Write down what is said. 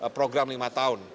program lima tahun